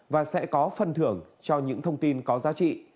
và sẽ có phần thưởng cho những thông tin có giá trị